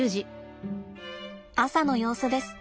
朝の様子です。